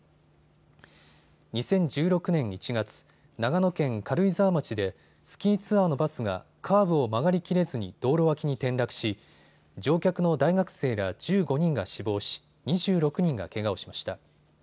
２０１６年１月、長野県軽井沢町でスキーツアーのバスがカーブを曲がりきれずに道路脇に転落し、乗客の大学生ら１５人が死亡し２６人がけがをしました。